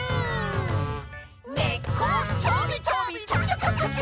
「ねっこちょびちょびチョキ」